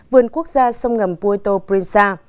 vườn quốc gia sông ngầm puerto princesa